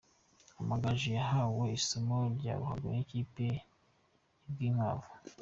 Amagaju yahaye isomo rya ruhago ikipe y’i Rwinkwavu.